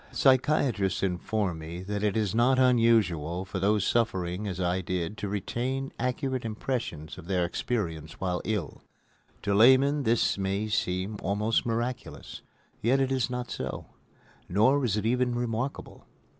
Psychiatrists inform me that it is not unusual for those suffering as I did to retain accurate impressions of their experiences while ill. To laymen this may seem almost miraculous, yet it is not so; nor is it even remarkable.